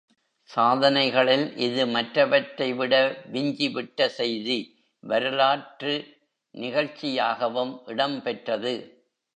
சாதனைகளில் இது மற்றவற்றை விட விஞ்சி விட்ட செய்தி, வரலாற்று நிகழ்ச்சியாகவும் இடம் பெற்றது.